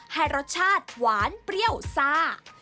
ให้รสชาติหวานเปรี้ยวซ่า